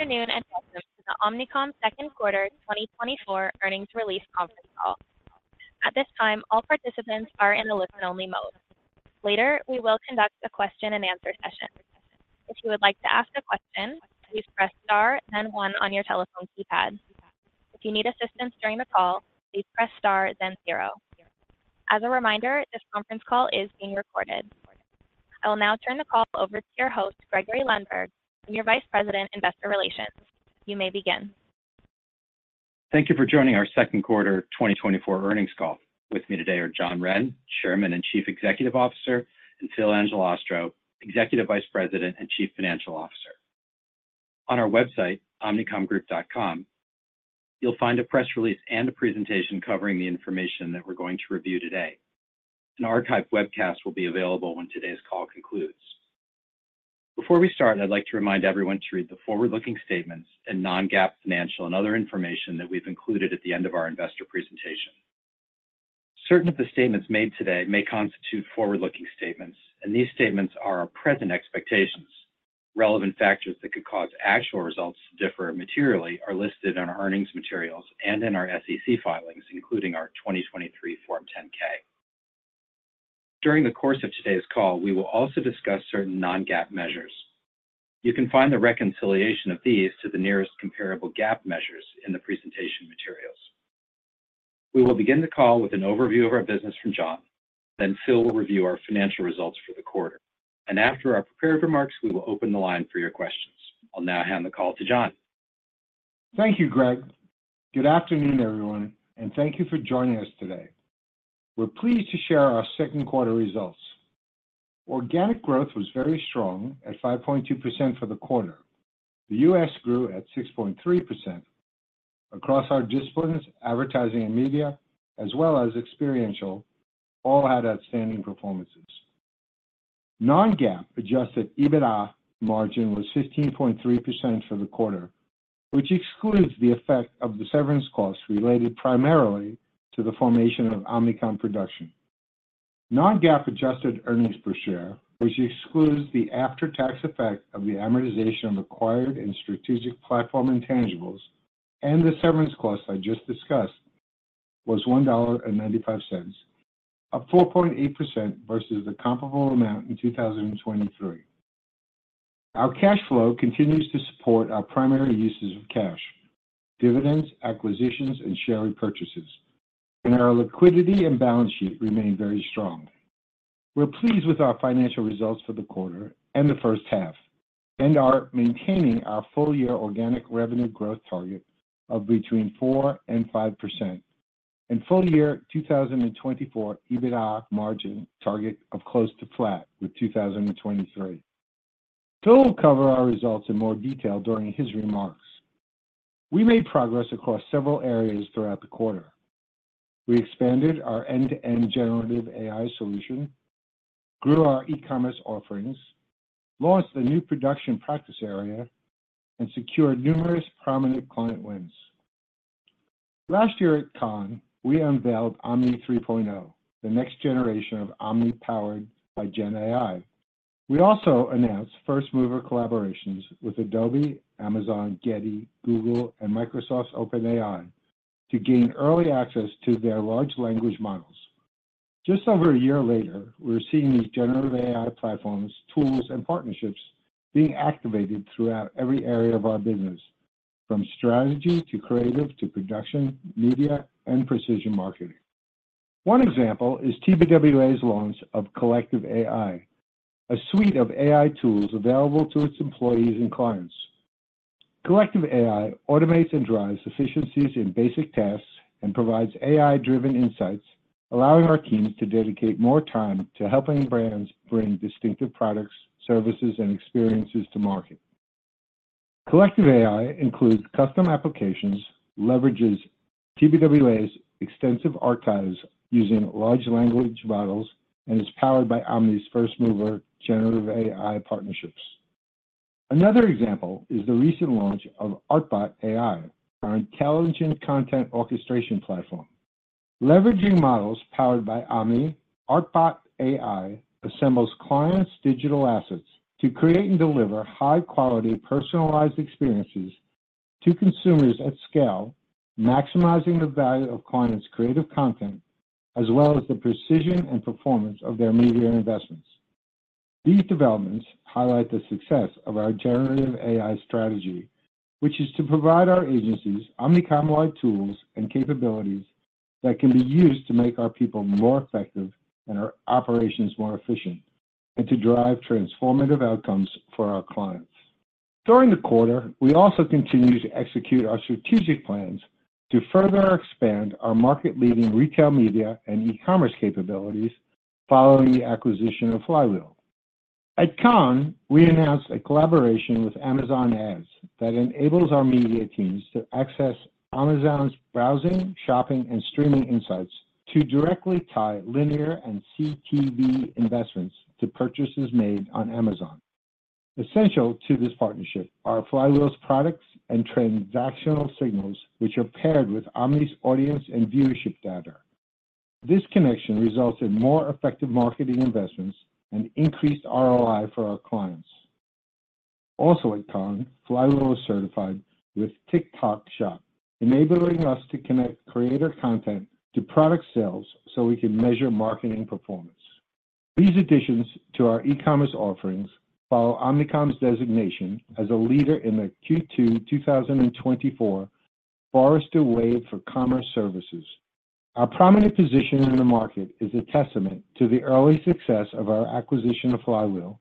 Good afternoon, and welcome to the Omnicom Second Quarter 2024 Earnings Release Conference Call. At this time, all participants are in the listen-only mode. Later, we will conduct a question-and-answer session. If you would like to ask a question, please press star, then one on your telephone keypad. If you need assistance during the call, please press star, then 0. As a reminder, this conference call is being recorded. I will now turn the call over to your host, Gregory Lundberg, Senior Vice President, Investor Relations. You may begin. Thank you for joining our second quarter 2024 earnings call. With me today are John Wren, Chairman and Chief Executive Officer, and Phil Angelastro, Executive Vice President and Chief Financial Officer. On our website, omnicomgroup.com, you'll find a press release and a presentation covering the information that we're going to review today. An archive webcast will be available when today's call concludes. Before we start, I'd like to remind everyone to read the forward-looking statements and non-GAAP financial and other information that we've included at the end of our investor presentation. Certain of the statements made today may constitute forward-looking statements, and these statements are our present expectations. Relevant factors that could cause actual results to differ materially are listed in our earnings materials and in our SEC filings, including our 2023 Form 10-K. During the course of today's call, we will also discuss certain non-GAAP measures. You can find the reconciliation of these to the nearest comparable GAAP measures in the presentation materials. We will begin the call with an overview of our business from John, then Phil will review our financial results for the quarter. After our prepared remarks, we will open the line for your questions. I'll now hand the call to John. Thank you, Greg. Good afternoon, everyone, and thank you for joining us today. We're pleased to share our second quarter results. Organic growth was very strong at 5.2% for the quarter. The U.S. grew at 6.3%. Across our disciplines, advertising and media, as well as experiential, all had outstanding performances. Non-GAAP adjusted EBITDA margin was 15.3% for the quarter, which excludes the effect of the severance costs related primarily to the formation of Omnicom Production. Non-GAAP adjusted earnings per share, which excludes the after-tax effect of the amortization of acquired and strategic platform intangibles, and the severance costs I just discussed, was $1.95, up 4.8% versus the comparable amount in 2023. Our cash flow continues to support our primary uses of cash, dividends, acquisitions, and share repurchases, and our liquidity and balance sheet remain very strong. We're pleased with our financial results for the quarter and the first half, and are maintaining our full-year organic revenue growth target of between 4% and 5% and full-year 2024 EBITDA margin target of close to flat with 2023. Phil will cover our results in more detail during his remarks. We made progress across several areas throughout the quarter. We expanded our end-to-end generative AI solution, grew our e-commerce offerings, launched a new production practice area, and secured numerous prominent client wins. Last year at Cannes, we unveiled Omni 3.0, the next generation of Omni, powered by Gen AI. We also announced first-mover collaborations with Adobe, Amazon, Getty, Google, and Microsoft's OpenAI to gain early access to their large language models. Just over a year later, we're seeing these generative AI platforms, tools, and partnerships being activated throughout every area of our business, from strategy to creative to production, media, and precision marketing. One example is TBWA's launch of Collective AI, a suite of AI tools available to its employees and clients. Collective AI automates and drives efficiencies in basic tasks and provides AI-driven insights, allowing our teams to dedicate more time to helping brands bring distinctive products, services, and experiences to market. Collective AI includes custom applications, leverages TBWA's extensive archives using large language models, and is powered by Omni's first-mover generative AI partnerships. Another example is the recent launch of ArtBotAI, our intelligent content orchestration platform. Leveraging models powered by Omni, ArtBotAI assembles clients' digital assets to create and deliver high-quality, personalized experiences to consumers at scale, maximizing the value of clients' creative content, as well as the precision and performance of their media investments. These developments highlight the success of our Generative AI strategy, which is to provide our agencies Omnicom-wide tools and capabilities that can be used to make our people more effective and our operations more efficient, and to drive transformative outcomes for our clients. During the quarter, we also continued to execute our strategic plans to further expand our market-leading retail media and e-commerce capabilities following the acquisition of Flywheel. At Cannes, we announced a collaboration with Amazon Ads that enables our media teams to access Amazon's browsing, shopping, and streaming insights to directly tie linear and CTV investments to purchases made on Amazon. Essential to this partnership are Flywheel's products and transactional signals, which are paired with Omni's audience and viewership data. This connection results in more effective marketing investments and increased ROI for our clients. Also at Cannes, Flywheel was certified with TikTok Shop, enabling us to connect creator content to product sales so we can measure marketing performance. These additions to our e-commerce offerings follow Omnicom's designation as a leader in the Q2-2024 Forrester Wave for Commerce Services. Our prominent position in the market is a testament to the early success of our acquisition of Flywheel,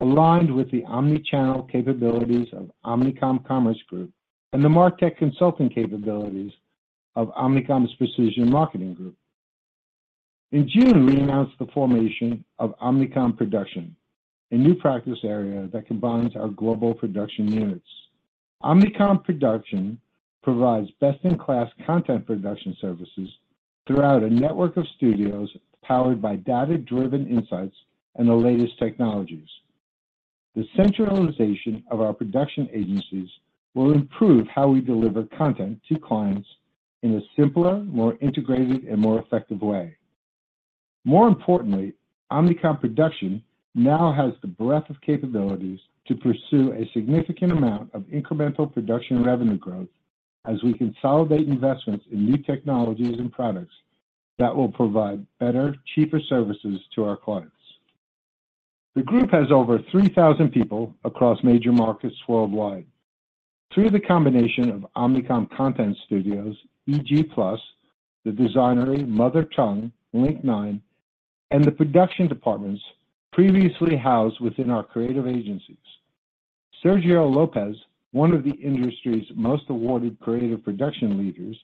aligned with the omni-channel capabilities of Omnicom Commerce Group and the MarTech consulting capabilities of Omnicom's Precision Marketing Group. In June, we announced the formation of Omnicom Production, a new practice area that combines our global production units. Omnicom Production provides best-in-class content production services throughout a network of studios powered by data-driven insights and the latest technologies. The centralization of our production agencies will improve how we deliver content to clients in a simpler, more integrated, and more effective way. More importantly, Omnicom Production now has the breadth of capabilities to pursue a significant amount of incremental production revenue growth as we consolidate investments in new technologies and products that will provide better, cheaper services to our clients. The group has over 3,000 people across major markets worldwide. Through the combination of Omnicom Content Studios, eg+, Designory, Mother Tongue, Link9, and the production departments previously housed within our creative agencies. Sergio Lopez, one of the industry's most awarded creative production leaders,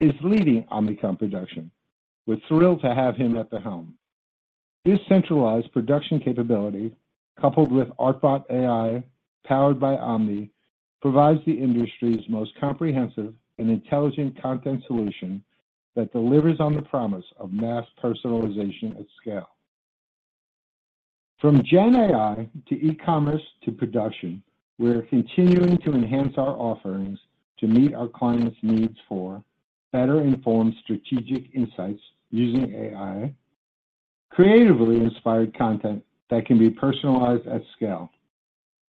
is leading Omnicom Production. We're thrilled to have him at the helm. This centralized production capability, coupled with ArtBotAI, powered by Omni, provides the industry's most comprehensive and intelligent content solution that delivers on the promise of mass personalization at scale. From Gen AI to e-commerce to production, we are continuing to enhance our offerings to meet our clients' needs for better informed strategic insights using AI, creatively inspired content that can be personalized at scale,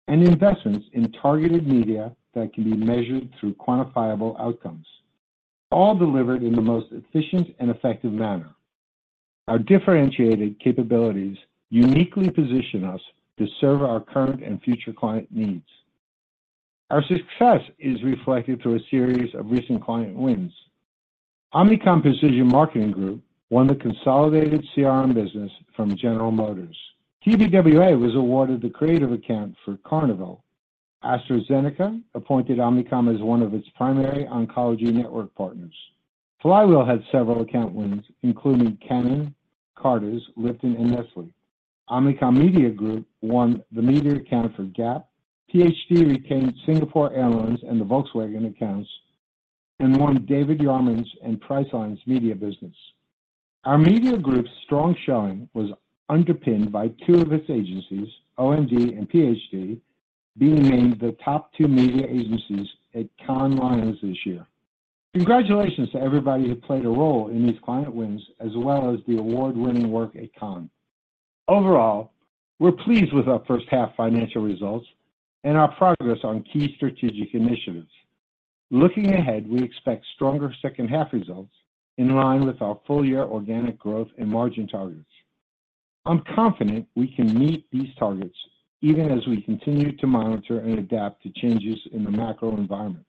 and investments in targeted media that can be measured through quantifiable outcomes, all delivered in the most efficient and effective manner. Our differentiated capabilities uniquely position us to serve our current and future client needs. Our success is reflected through a series of recent client wins. Omnicom Precision Marketing Group won the consolidated CRM business from General Motors. TBWA was awarded the creative account for Carnival. AstraZeneca appointed Omnicom as one of its primary oncology network partners. Flywheel had several account wins, including Canon, Carter's, Lipton, and Nestlé. Omnicom Media Group won the media account for Gap. PHD retained Singapore Airlines and the Volkswagen accounts and won David Yurman's and Priceline's media business. Our media group's strong showing was underpinned by two of its agencies, OMG and PHD, being named the top two media agencies at Cannes Lions this year. Congratulations to everybody who played a role in these client wins, as well as the award-winning work at Cannes. Overall, we're pleased with our first half financial results and our progress on key strategic initiatives. Looking ahead, we expect stronger second half results in line with our full year organic growth and margin targets. I'm confident we can meet these targets even as we continue to monitor and adapt to changes in the macro environment.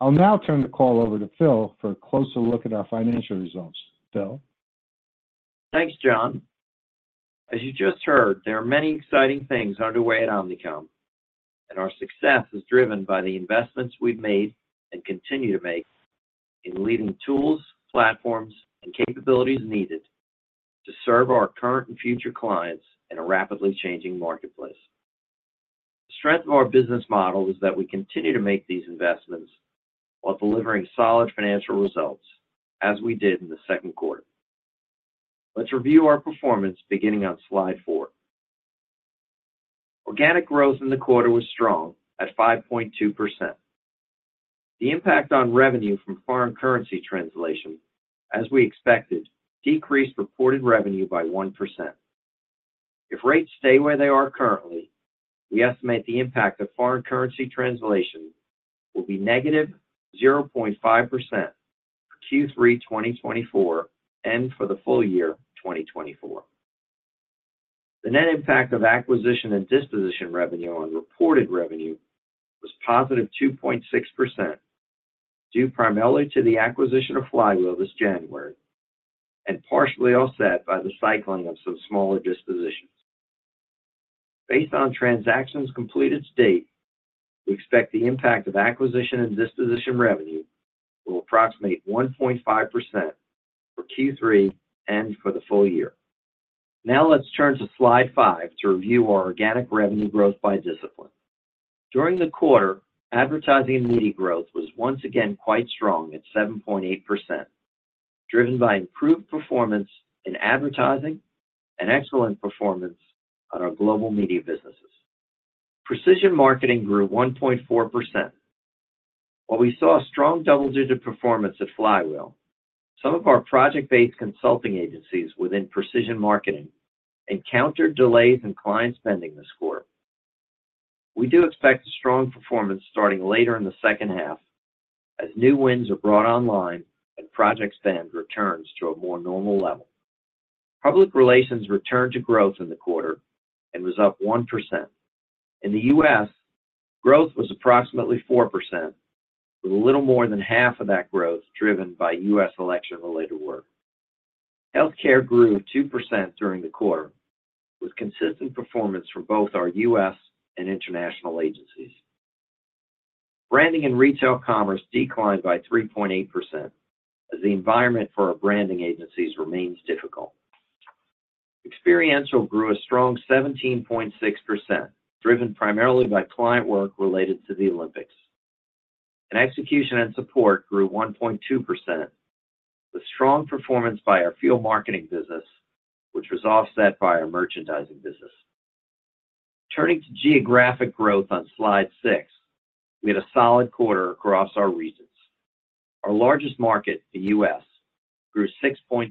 I'll now turn the call over to Phil for a closer look at our financial results. Phil? Thanks, John. As you just heard, there are many exciting things underway at Omnicom, and our success is driven by the investments we've made and continue to make in leading tools, platforms, and capabilities needed to serve our current and future clients in a rapidly changing marketplace. The strength of our business model is that we continue to make these investments while delivering solid financial results, as we did in the second quarter. Let's review our performance beginning on slide four. Organic growth in the quarter was strong at 5.2%. The impact on revenue from foreign currency translation, as we expected, decreased reported revenue by 1%. If rates stay where they are currently, we estimate the impact of foreign currency translation will be negative 0.5% for Q3 2024 and for the full year 2024. The net impact of acquisition and disposition revenue on reported revenue was positive 2.6%, due primarily to the acquisition of Flywheel this January, and partially offset by the cycling of some smaller dispositions. Based on transactions completed date, we expect the impact of acquisition and disposition revenue will approximate 1.5% for Q3 and for the full year. Now, let's turn to Slide five to review our organic revenue growth by discipline. During the quarter, advertising and media growth was once again quite strong at 7.8%, driven by improved performance in advertising and excellent performance on our global media businesses. Precision marketing grew 1.4%. While we saw a strong double-digit performance at Flywheel, some of our project-based consulting agencies within precision marketing encountered delays in client spending this quarter. We do expect a strong performance starting later in the second half, as new wins are brought online and project spend returns to a more normal level. Public relations returned to growth in the quarter and was up 1%. In the U.S., growth was approximately 4%, with a little more than half of that growth driven by U.S. election-related work. Healthcare grew 2% during the quarter, with consistent performance from both our U.S. and international agencies. Branding and retail commerce declined by 3.8%, as the environment for our branding agencies remains difficult. Experiential grew a strong 17.6%, driven primarily by client work related to the Olympics. Execution and support grew 1.2%, with strong performance by our field marketing business, which was offset by our merchandising business. Turning to geographic growth on Slide six, we had a solid quarter across our regions. Our largest market, the U.S., grew 6.3%.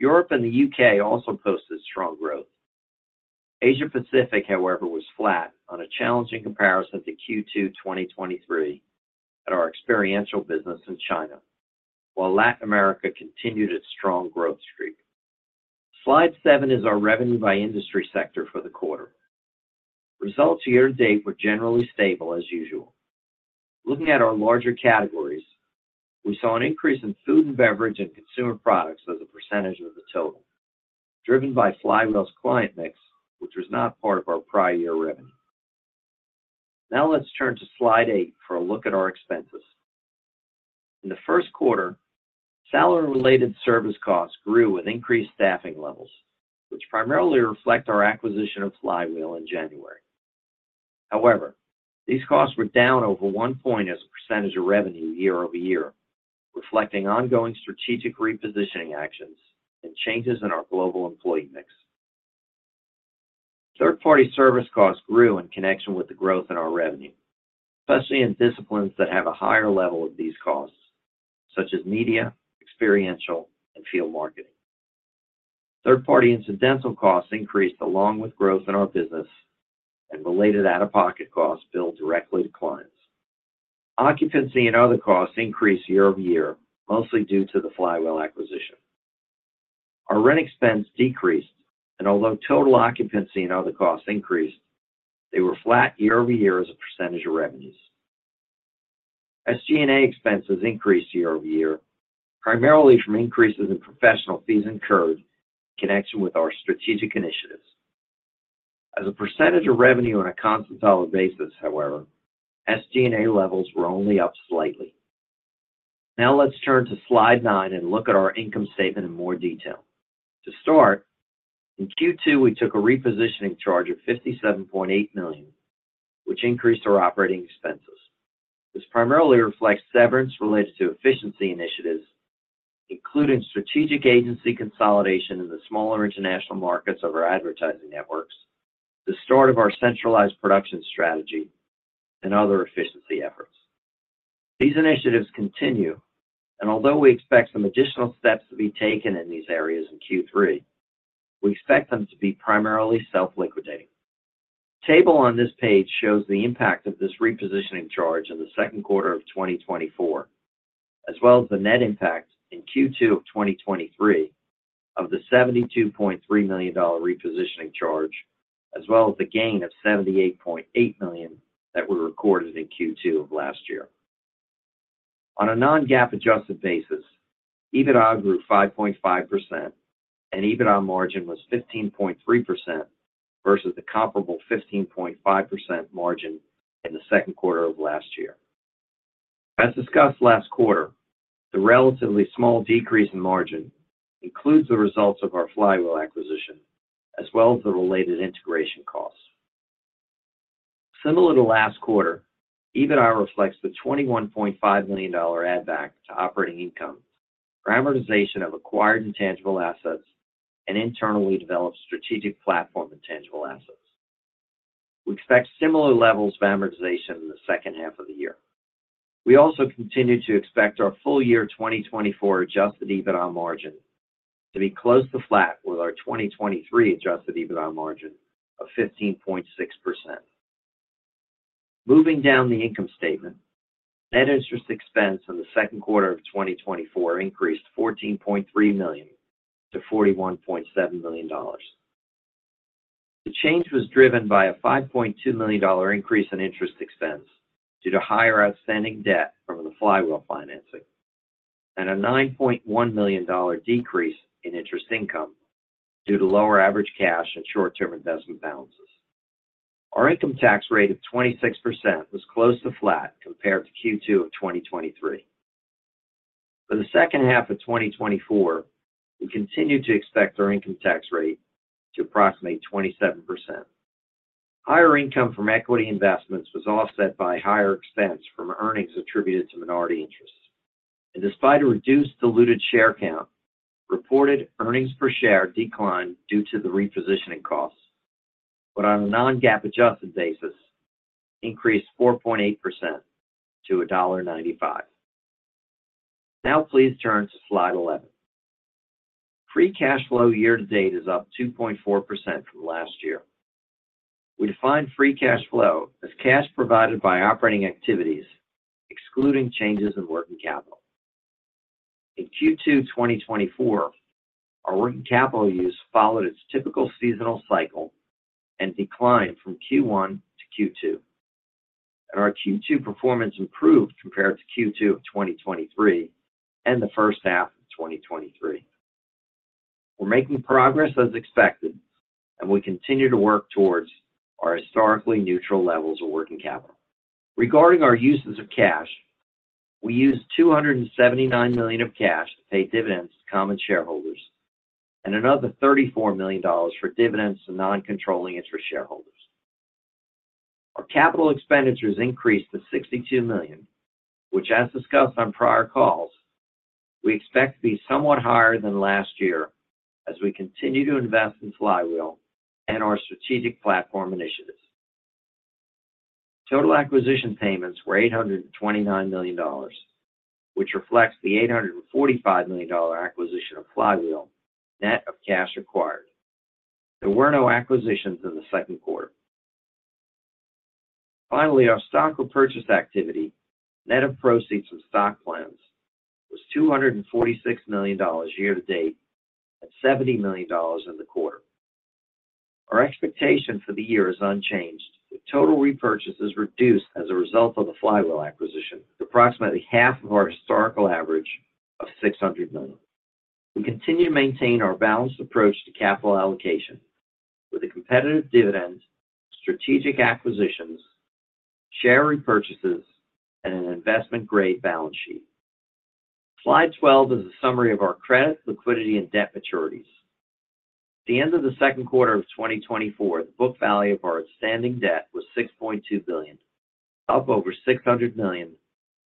Europe and the U.K. also posted strong growth. Asia Pacific, however, was flat on a challenging comparison to Q2 2023 at our experiential business in China, while Latin America continued its strong growth streak. Slide seven is our revenue by industry sector for the quarter. Results year to date were generally stable as usual. Looking at our larger categories, we saw an increase in food and beverage and consumer products as a percentage of the total, driven by Flywheel's client mix, which was not part of our prior year revenue. Now let's turn to Slide eight for a look at our expenses. In the first quarter, salary-related service costs grew with increased staffing levels, which primarily reflect our acquisition of Flywheel in January. However, these costs were down over 1 point as a percentage of revenue year-over-year, reflecting ongoing strategic repositioning actions and changes in our global employee mix. Third-party service costs grew in connection with the growth in our revenue, especially in disciplines that have a higher level of these costs, such as media, experiential, and field marketing. Third-party incidental costs increased along with growth in our business and related out-of-pocket costs billed directly to clients. Occupancy and other costs increased year-over-year, mostly due to the Flywheel acquisition. Our rent expense decreased, and although total occupancy and other costs increased, they were flat year-over-year as a percentage of revenues. SG&A expenses increased year-over-year, primarily from increases in professional fees incurred in connection with our strategic initiatives. As a percentage of revenue on a constant dollar basis, however, SG&A levels were only up slightly. Now let's turn to Slide nine and look at our income statement in more detail. To start, in Q2, we took a repositioning charge of $57.8 million, which increased our operating expenses. This primarily reflects severance related to efficiency initiatives, including strategic agency consolidation in the smaller international markets of our advertising networks, the start of our centralized production strategy, and other efficiency efforts. These initiatives continue, and although we expect some additional steps to be taken in these areas in Q3, we expect them to be primarily self-liquidating. The table on this page shows the impact of this repositioning charge in the second quarter of 2024, as well as the net impact in Q2 of 2023 of the $72.3 million repositioning charge, as well as the gain of $78.8 million that were recorded in Q2 of last year. On a non-GAAP-adjusted basis, EBITDA grew 5.5%, and EBITDA margin was 15.3% versus the comparable 15.5% margin in the second quarter of last year. As discussed last quarter, the relatively small decrease in margin includes the results of our Flywheel acquisition, as well as the related integration costs. Similar to last quarter, EBITDA reflects the $21.5 million add-back to operating income for amortization of acquired intangible assets and internally developed strategic platform intangible assets. We expect similar levels of amortization in the second half of the year. We also continue to expect our full year 2024 adjusted EBITDA margin to be close to flat with our 2023 adjusted EBITDA margin of 15.6%. Moving down the income statement, net interest expense in the second quarter of 2024 increased $14.3 million to $41.7 million. The change was driven by a $5.2 million increase in interest expense due to higher outstanding debt from the Flywheel financing, and a $9.1 million decrease in interest income due to lower average cash and short-term investment balances. Our income tax rate of 26% was close to flat compared to Q2 of 2023. For the second half of 2024, we continue to expect our income tax rate to approximate 27%. Higher income from equity investments was offset by higher expense from earnings attributed to minority interest.... Despite a reduced diluted share count, reported earnings per share declined due to the repositioning costs. But on a non-GAAP adjusted basis, increased 4.8% to $1.95. Now, please turn to slide 11. Free cash flow year-to-date is up 2.4% from last year. We define free cash flow as cash provided by operating activities, excluding changes in working capital. In Q2 2024, our working capital use followed its typical seasonal cycle and declined from Q1 to Q2, and our Q2 performance improved compared to Q2 of 2023 and the first half of 2023. We're making progress as expected, and we continue to work towards our historically neutral levels of working capital. Regarding our uses of cash, we used $279 million of cash to pay dividends to common shareholders, and another $34 million for dividends to non-controlling interest shareholders. Our capital expenditures increased to $62 million, which, as discussed on prior calls, we expect to be somewhat higher than last year as we continue to invest in Flywheel and our strategic platform initiatives. Total acquisition payments were $829 million, which reflects the $845 million acquisition of Flywheel, net of cash required. There were no acquisitions in the second quarter. Finally, our stock repurchase activity, net of proceeds from stock plans, was $246 million year to date, and $70 million in the quarter. Our expectation for the year is unchanged, with total repurchases reduced as a result of the Flywheel acquisition, approximately half of our historical average of $600 million. We continue to maintain our balanced approach to capital allocation with a competitive dividend, strategic acquisitions, share repurchases, and an investment-grade balance sheet. Slide 12 is a summary of our credit, liquidity, and debt maturities. At the end of the second quarter of 2024, the book value of our outstanding debt was $6.2 billion, up over $600 million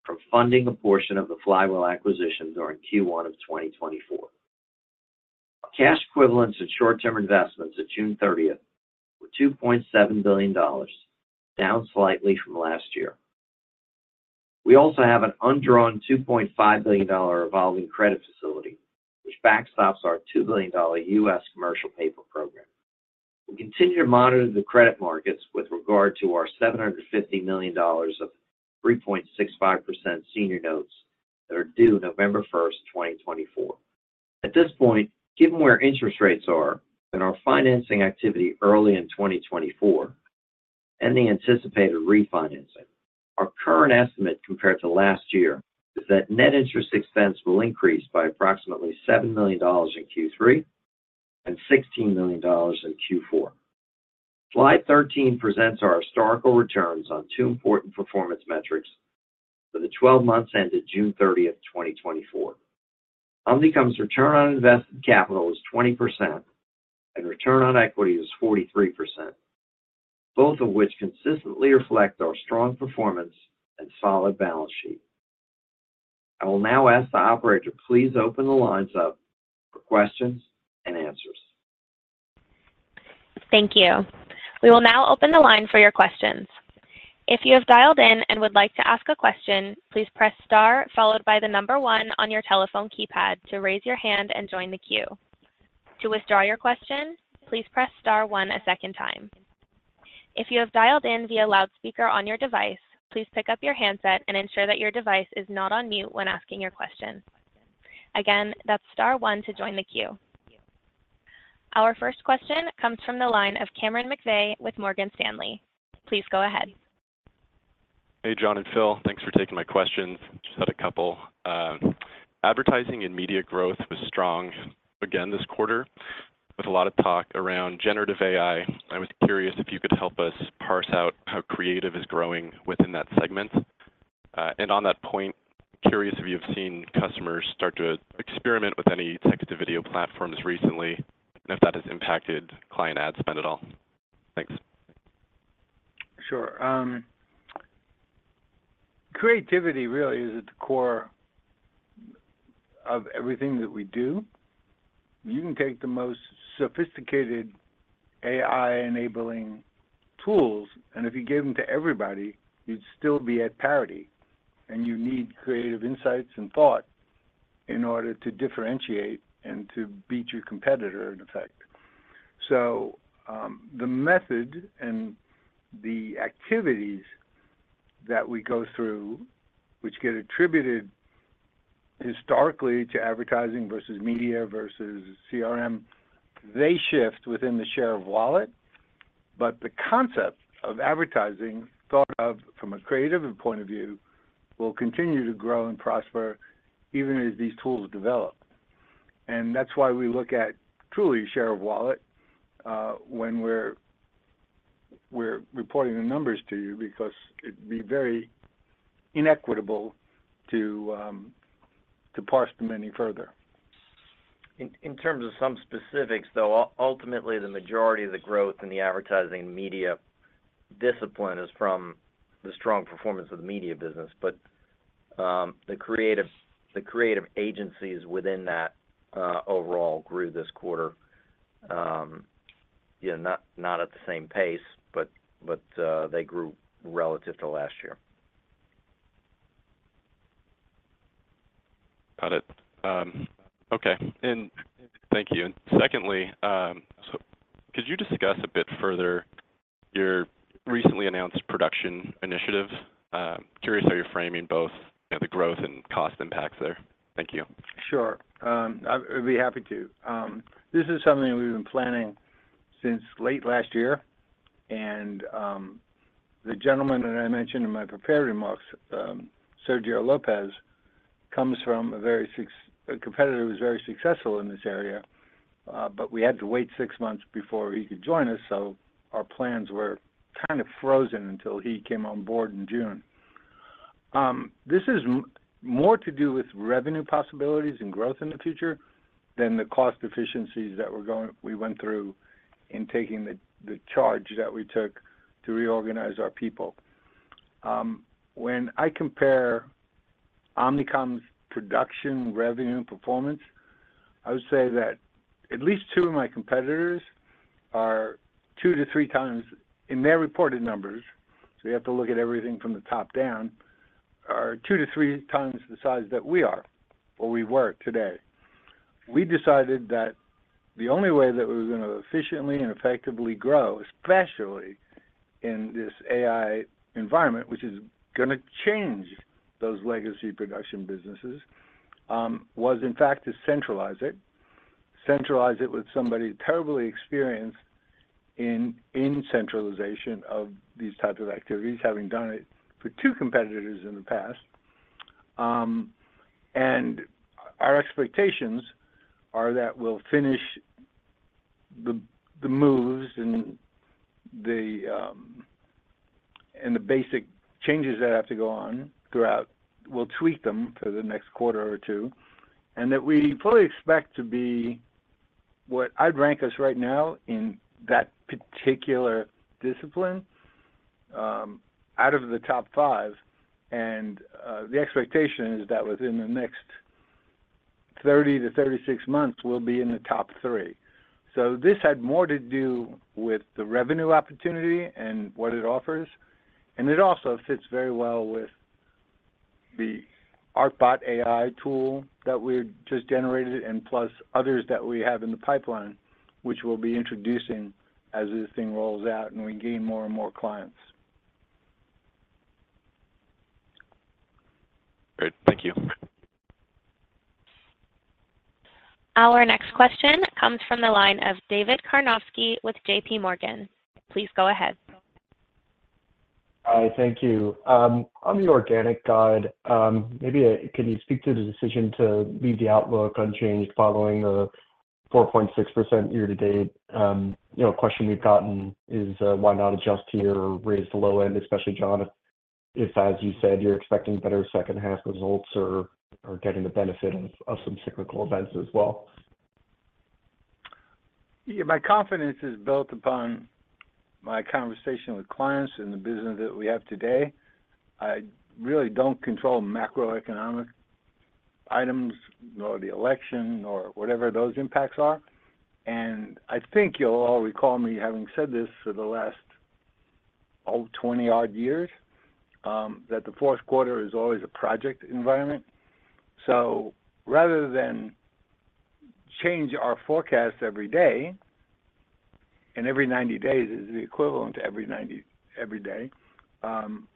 from funding a portion of the Flywheel acquisition during Q1 of 2024. Our cash equivalents and short-term investments at June 30th were $2.7 billion, down slightly from last year. We also have an undrawn $2.5 billion revolving credit facility, which backstops our $2 billion U.S. commercial paper program. We continue to monitor the credit markets with regard to our $750 million of 3.65% senior notes that are due November 1st, 2024. At this point, given where interest rates are and our financing activity early in 2024 and the anticipated refinancing, our current estimate compared to last year is that net interest expense will increase by approximately $7 million in Q3 and $16 million in Q4. Slide 13 presents our historical returns on two important performance metrics for the 12 months ended June 30th, 2024. Omnicom's return on invested capital is 20% and return on equity is 43%, both of which consistently reflect our strong performance and solid balance sheet. I will now ask the operator to please open the lines up for questions and answers. Thank you. We will now open the line for your questions. If you have dialed in and would like to ask a question, please press star followed by the number one on your telephone keypad to raise your hand and join the queue. To withdraw your question, please press star one a second time. If you have dialed in via loudspeaker on your device, please pick up your handset and ensure that your device is not on mute when asking your question. Again, that's star one to join the queue. Our first question comes from the line of Cameron McVeigh with Morgan Stanley. Please go ahead. Hey, John and Phil, thanks for taking my questions. Just had a couple. Advertising and media growth was strong again this quarter with a lot of talk around generative AI. I was curious if you could help us parse out how creative is growing within that segment. And on that point, curious if you've seen customers start to experiment with any text-to-video platforms recently, and if that has impacted client ad spend at all? Thanks. Sure. Creativity really is at the core of everything that we do. You can take the most sophisticated AI-enabling tools, and if you gave them to everybody, you'd still be at parity. And you need creative insights and thought in order to differentiate and to beat your competitor, in effect. So, the method and the activities that we go through, which get attributed historically to advertising versus media versus CRM, they shift within the share of wallet. But the concept of advertising, thought of from a creative point of view, will continue to grow and prosper even as these tools develop. And that's why we look at truly share of wallet, when we're reporting the numbers to you, because it'd be very inequitable to parse them any further. ... In terms of some specifics, though, ultimately, the majority of the growth in the advertising media discipline is from the strong performance of the media business. But the creative, the creative agencies within that overall grew this quarter, yeah, not at the same pace, but they grew relative to last year. Got it. Okay. And thank you. And secondly, so could you discuss a bit further your recently announced production initiative? Curious how you're framing both, you know, the growth and cost impacts there. Thank you. Sure. I'd be happy to. This is something we've been planning since late last year, and the gentleman that I mentioned in my prepared remarks, Sergio Lopez, comes from a competitor who's very successful in this area. But we had to wait six months before he could join us, so our plans were kind of frozen until he came on board in June. This is more to do with revenue possibilities and growth in the future than the cost efficiencies that we went through in taking the charge that we took to reorganize our people. When I compare Omnicom's production revenue performance, I would say that at least two of my competitors are two to three times, in their reported numbers, so you have to look at everything from the top down, two to three times the size that we are, or we were today. We decided that the only way that we were gonna efficiently and effectively grow, especially in this AI environment, which is gonna change those legacy production businesses, was, in fact, to centralize it. Centralize it with somebody terribly experienced in centralization of these types of activities, having done it for two competitors in the past. And our expectations are that we'll finish the moves and the basic changes that have to go on throughout. We'll tweak them for the next quarter or two, and that we fully expect to be what I'd rank us right now in that particular discipline, out of the top five. And, the expectation is that within the next 30-36 months, we'll be in the top three. So this had more to do with the revenue opportunity and what it offers, and it also fits very well with the ArtBotAI tool that we've just generated, and plus others that we have in the pipeline, which we'll be introducing as this thing rolls out and we gain more and more clients. Great. Thank you. Our next question comes from the line of David Karnovsky with JPMorgan. Please go ahead. Hi, thank you. On the organic guide, maybe, can you speak to the decision to leave the outlook unchanged following the 4.6% year to date? You know, a question we've gotten is, why not adjust here or raise the low end, especially, John, if, if, as you said, you're expecting better second-half results or, or getting the benefit of, of some cyclical events as well? Yeah. My confidence is built upon my conversation with clients and the business that we have today. I really don't control macroeconomic items or the election or whatever those impacts are. And I think you'll all recall me having said this for the last, oh, 20-odd years, that the fourth quarter is always a project environment. So rather than change our forecast every day, and every 90 days is the equivalent to every day,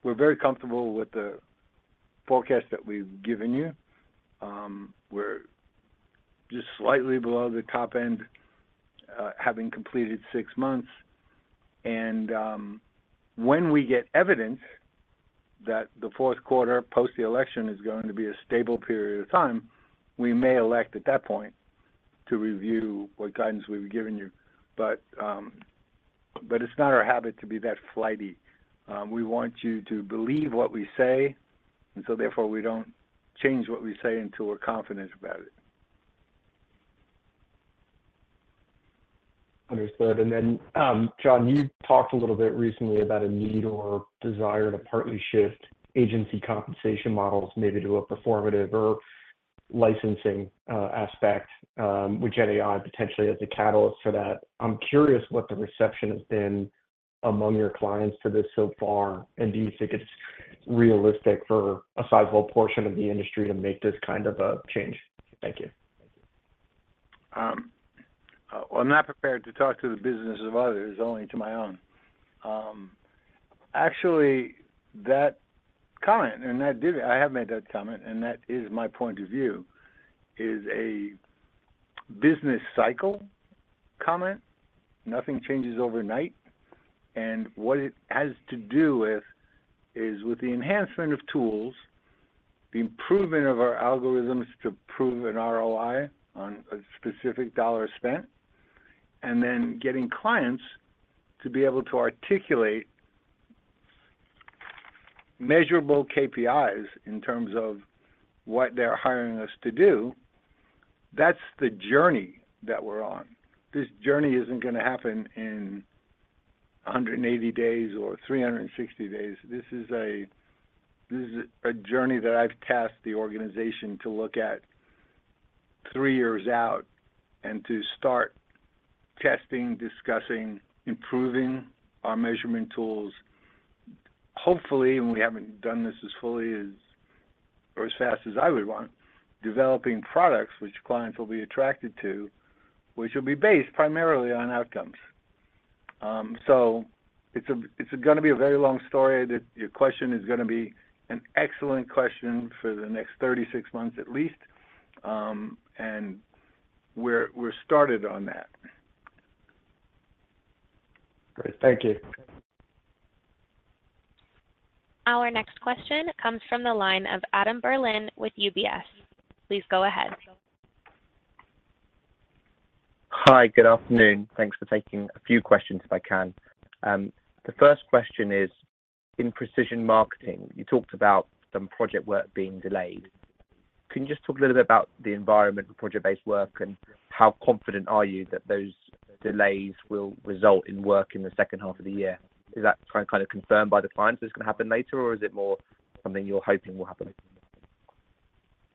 we're very comfortable with the forecast that we've given you. We're just slightly below the top end, having completed six months. And, when we get evidence that the fourth quarter post the election is going to be a stable period of time, we may elect at that point to review what guidance we've given you. But, but it's not our habit to be that flighty. We want you to believe what we say, and so therefore, we don't change what we say until we're confident about it. Understood. Then, John, you talked a little bit recently about a need or desire to partly shift agency compensation models, maybe to a performative or licensing aspect, with GenAI potentially as a catalyst for that. I'm curious what the reception has been among your clients to this so far, and do you think it's realistic for a sizable portion of the industry to make this kind of a change? Thank you. Well, I'm not prepared to talk to the business of others, only to my own. Actually, that comment, I have made that comment, and that is my point of view, is a business cycle comment. Nothing changes overnight, and what it has to do with is, with the enhancement of tools, the improvement of our algorithms to prove an ROI on a specific dollar spent, and then getting clients to be able to articulate measurable KPIs in terms of what they're hiring us to do, that's the journey that we're on. This journey isn't gonna happen in 180 days or 360 days. This is a journey that I've tasked the organization to look at three years out and to start testing, discussing, improving our measurement tools. Hopefully, and we haven't done this as fully as, or as fast as I would want, developing products which clients will be attracted to, which will be based primarily on outcomes. So it's a, it's gonna be a very long story. That your question is gonna be an excellent question for the next 36 months, at least, and we're started on that. Great. Thank you. Our next question comes from the line of Adam Berlin with UBS. Please go ahead. Hi, good afternoon. Thanks for taking a few questions, if I can. The first question is, in precision marketing, you talked about some project work being delayed. Can you just talk a little bit about the environment for project-based work, and how confident are you that those delays will result in work in the second half of the year? Is that kind of confirmed by the clients that it's going to happen later, or is it more something you're hoping will happen?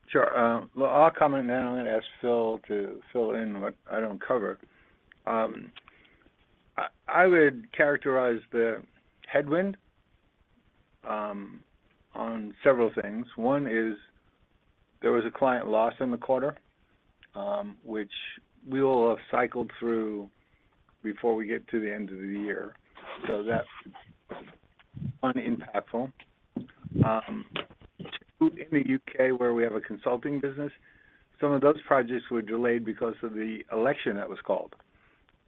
Sure. Well, I'll comment, and then I'm going to ask Phil to fill in what I don't cover. I would characterize the headwind on several things. One is there was a client loss in the quarter, which we will have cycled through before we get to the end of the year. So that's unimpactful. Two, in the U.K., where we have a consulting business, some of those projects were delayed because of the election that was called.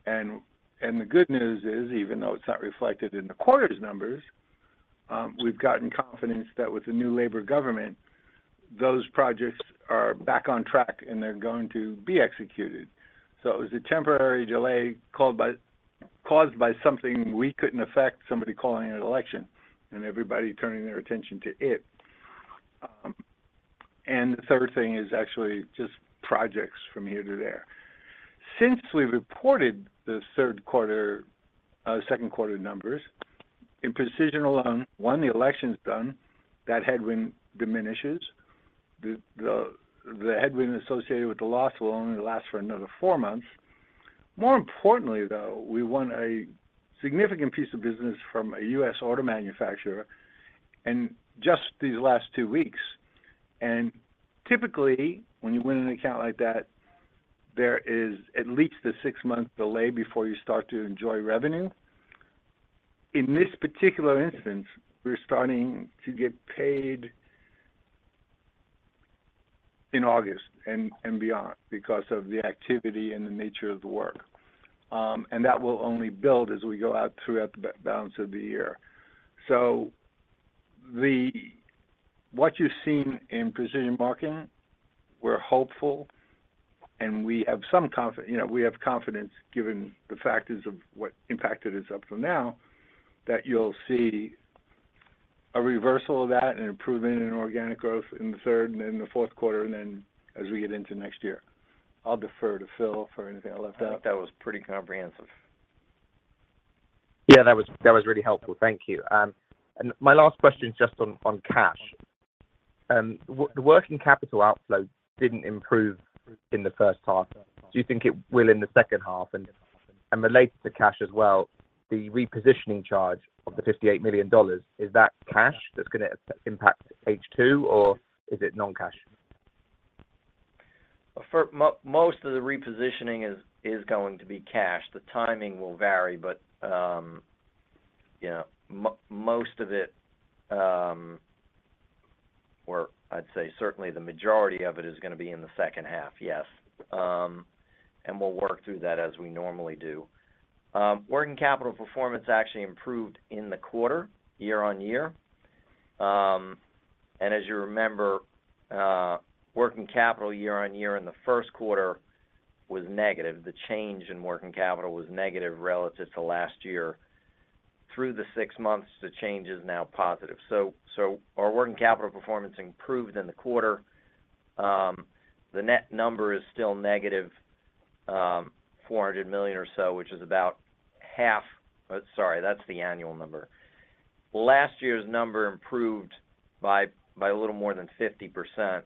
The good news is, even though it's not reflected in the quarter's numbers, we've gotten confidence that with the new Labour government, those projects are back on track and they're going to be executed. So it was a temporary delay caused by something we couldn't affect, somebody calling an election and everybody turning their attention to it. And the third thing is actually just projects from here to there. Since we reported the third quarter, second quarter numbers, in precision alone, the election's done. That headwind diminishes. The headwind associated with the loss will only last for another four months. More importantly, though, we won a significant piece of business from a U.S. auto manufacturer in just these last two weeks. And typically, when you win an account like that, there is at least a six-month delay before you start to enjoy revenue. In this particular instance, we're starting to get paid in August and beyond because of the activity and the nature of the work. And that will only build as we go out throughout the balance of the year. So what you've seen in precision marketing, we're hopeful, and we have some confidence, you know, we have confidence, given the factors of what impacted us up till now, that you'll see a reversal of that and improvement in organic growth in the third and in the fourth quarter, and then as we get into next year. I'll defer to Phil for anything I left out. I thought that was pretty comprehensive. Yeah, that was, that was really helpful. Thank you. And my last question is just on, on cash. The working capital outflow didn't improve in the first half. Do you think it will in the second half? And, and related to cash as well, the repositioning charge of $58 million, is that cash that's gonna impact H2, or is it non-cash? For most of the repositioning is going to be cash. The timing will vary, but yeah, most of it, or I'd say certainly the majority of it is gonna be in the second half, yes. And we'll work through that as we normally do. Working capital performance actually improved in the quarter, year-over-year. And as you remember, working capital year-over-year in the first quarter was negative. The change in working capital was negative relative to last year. Through the six months, the change is now positive. So our working capital performance improved in the quarter. The net number is still negative, $400 million or so, which is about half. Sorry, that's the annual number. Last year's number improved by a little more than 50%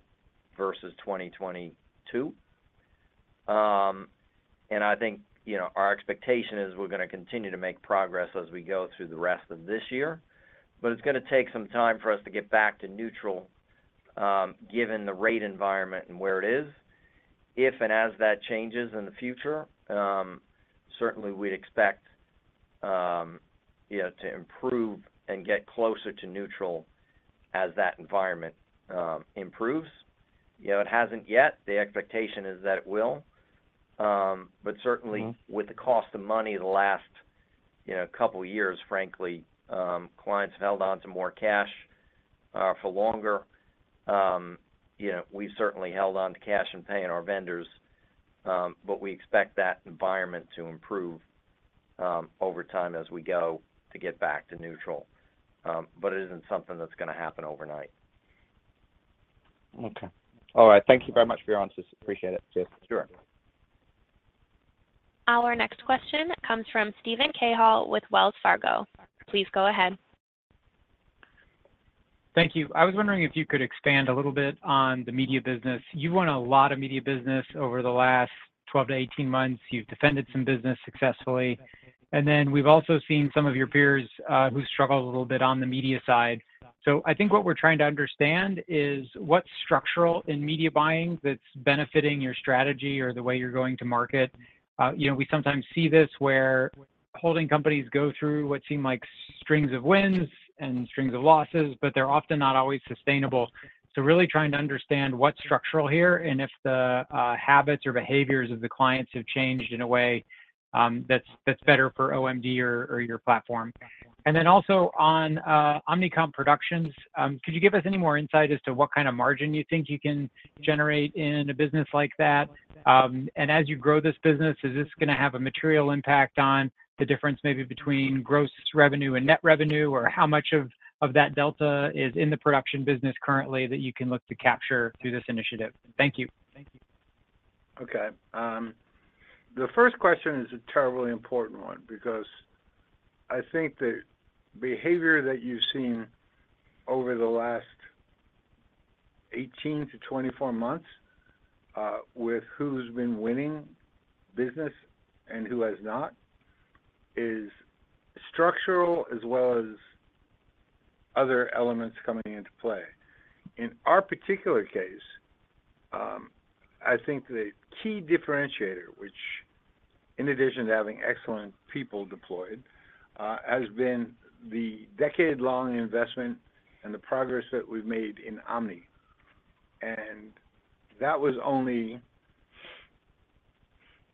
versus 2022. And I think, you know, our expectation is we're gonna continue to make progress as we go through the rest of this year, but it's gonna take some time for us to get back to neutral, given the rate environment and where it is. If and as that changes in the future, certainly we'd expect, you know, to improve and get closer to neutral as that environment improves. You know, it hasn't yet. The expectation is that it will. But certainly- Mm-hmm... with the cost of money, the last, you know, couple of years, frankly, clients have held on to more cash, for longer. You know, we've certainly held on to cash in paying our vendors, but we expect that environment to improve.... over time as we go to get back to neutral. But it isn't something that's gonna happen overnight. Okay. All right. Thank you very much for your answers. Appreciate it. Cheers. Sure. Our next question comes from Steven Cahall with Wells Fargo. Please go ahead. Thank you. I was wondering if you could expand a little bit on the media business. You've won a lot of media business over the last 12-18 months. You've defended some business successfully, and then we've also seen some of your peers who've struggled a little bit on the media side. So I think what we're trying to understand is, what's structural in media buying that's benefiting your strategy or the way you're going to market? You know, we sometimes see this where holding companies go through what seem like strings of wins and strings of losses, but they're often not always sustainable. So really trying to understand what's structural here, and if the habits or behaviors of the clients have changed in a way that's better for OMD or your platform. And then also on Omnicom Production, could you give us any more insight as to what kind of margin you think you can generate in a business like that? And as you grow this business, is this gonna have a material impact on the difference maybe between gross revenue and net revenue, or how much of that delta is in the production business currently that you can look to capture through this initiative? Thank you. Okay. The first question is a terribly important one, because I think the behavior that you've seen over the last 18-24 months with who's been winning business and who has not is structural as well as other elements coming into play. In our particular case, I think the key differentiator, which in addition to having excellent people deployed, has been the decade-long investment and the progress that we've made in Omni. And that was only.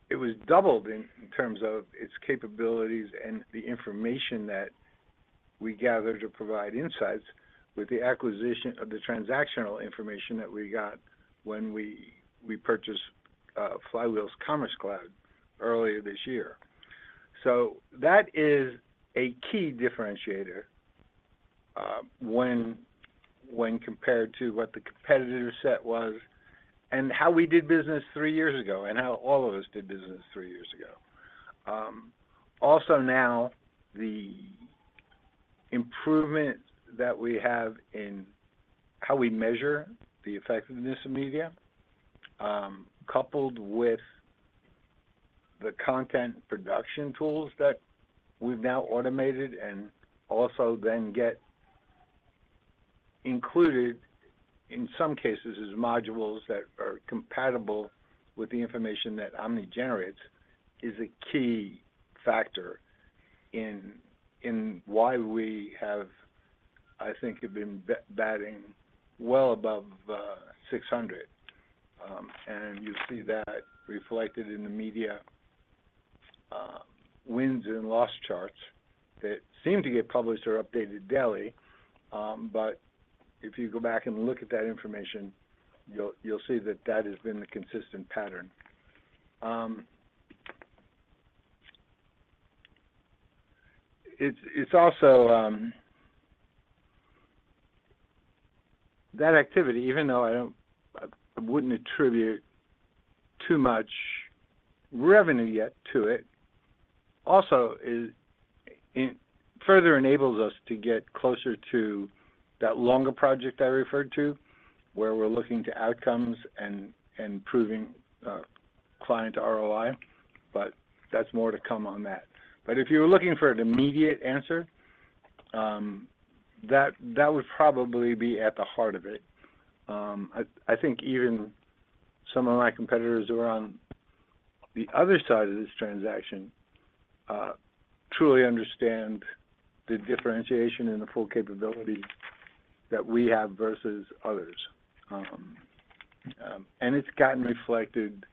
It was doubled in terms of its capabilities and the information that we gather to provide insights with the acquisition of the transactional information that we got when we purchased Flywheel Commerce Cloud earlier this year. So that is a key differentiator, when compared to what the competitor set was and how we did business three years ago, and how all of us did business three years ago. Also now, the improvement that we have in how we measure the effectiveness of media, coupled with the content production tools that we've now automated and also then get included, in some cases, as modules that are compatible with the information that Omni generates, is a key factor in why we have, I think, been batting well above 600. And you see that reflected in the media wins and loss charts that seem to get published or updated daily, but if you go back and look at that information, you'll see that that has been the consistent pattern. It's also... That activity, even though I don't—I wouldn't attribute too much revenue yet to it, also is. It further enables us to get closer to that longer project I referred to, where we're looking to outcomes and proving client ROI, but that's more to come on that. But if you were looking for an immediate answer, that would probably be at the heart of it. I think even some of my competitors who are on the other side of this transaction truly understand the differentiation and the full capability that we have versus others. And it's gotten reflected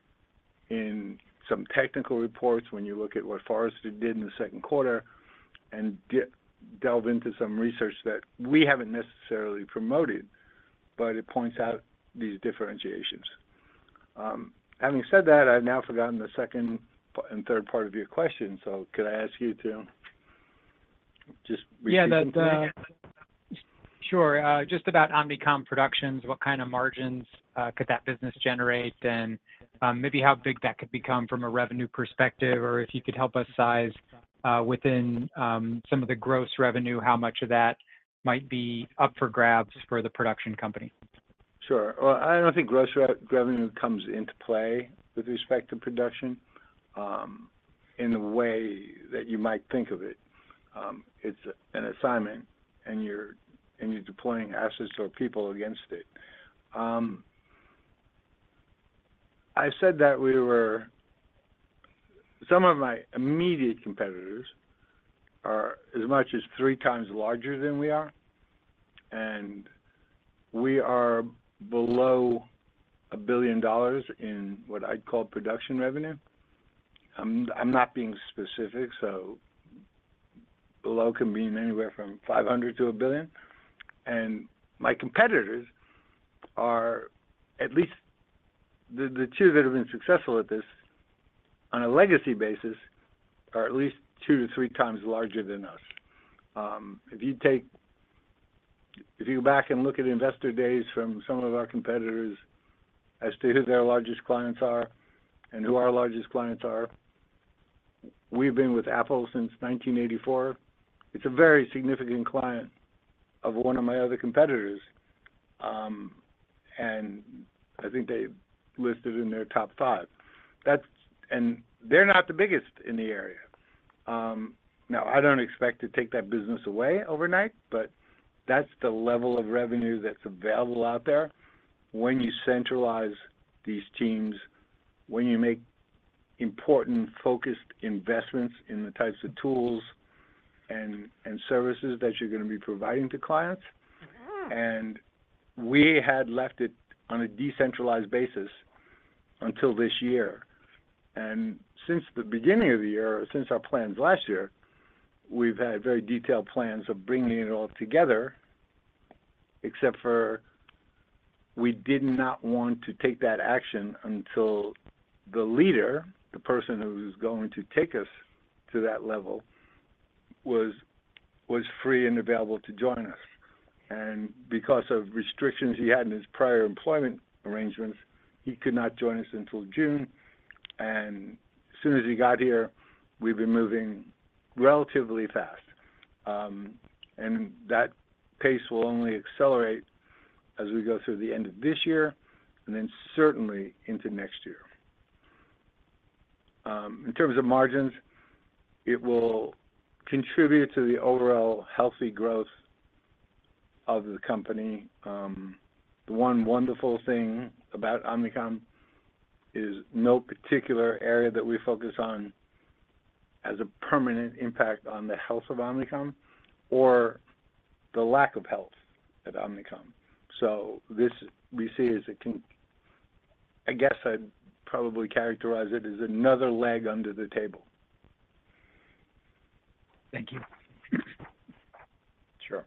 in some technical reports when you look at what Forrester did in the second quarter and delve into some research that we haven't necessarily promoted, but it points out these differentiations. Having said that, I've now forgotten the second but and third part of your question, so could I ask you to just repeat them again? Sure, just about Omnicom Production, what kind of margins could that business generate? And maybe how big that could become from a revenue perspective, or if you could help us size within some of the gross revenue, how much of that might be up for grabs for the production company? Sure. Well, I don't think gross revenue comes into play with respect to production in the way that you might think of it. It's an assignment, and you're deploying assets or people against it. I said some of my immediate competitors are as much as three times larger than we are, and we are below $1 billion in what I'd call production revenue. I'm not being specific, so low can mean anywhere from $500 million to $1 billion. And my competitors, at least the two that have been successful at this on a legacy basis, are at least two to three times larger than us. If you go back and look at investor days from some of our competitors as to who their largest clients are and who our largest clients are, we've been with Apple since 1984. It's a very significant client of one of my other competitors, and I think they listed in their top five. And they're not the biggest in the area. Now, I don't expect to take that business away overnight, but that's the level of revenue that's available out there when you centralize these teams, when you make important, focused investments in the types of tools and services that you're gonna be providing to clients. We had left it on a decentralized basis until this year, and since the beginning of the year, since our plans last year, we've had very detailed plans of bringing it all together, except for we did not want to take that action until the leader, the person who was going to take us to that level, was free and available to join us. Because of restrictions he had in his prior employment arrangements, he could not join us until June, and as soon as he got here, we've been moving relatively fast. That pace will only accelerate as we go through the end of this year, and then certainly into next year. In terms of margins, it will contribute to the overall healthy growth of the company. The one wonderful thing about Omnicom is no particular area that we focus on has a permanent impact on the health of Omnicom, or the lack of health at Omnicom. So this we see as. I guess I'd probably characterize it as another leg under the table. Thank you. Sure.